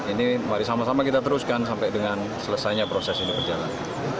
ini mari sama sama kita teruskan sampai dengan selesainya proses ini berjalan